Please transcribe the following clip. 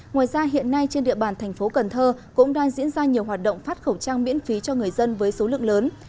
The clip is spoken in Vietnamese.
ngoài ra hiện nay trên địa bàn thành phố cần thơ cũng đang diễn ra nhiều hoạt động phát khẩu trang miễn phí cho người dân với số lượng lớn